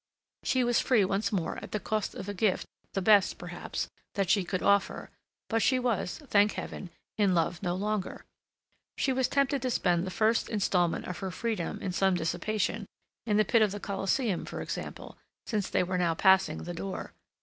She was free once more at the cost of a gift, the best, perhaps, that she could offer, but she was, thank Heaven, in love no longer. She was tempted to spend the first instalment of her freedom in some dissipation; in the pit of the Coliseum, for example, since they were now passing the door.